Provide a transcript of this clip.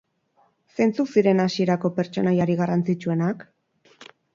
Zeintzuk ziren hasierako pertsonaiarik garrantzitsuenak?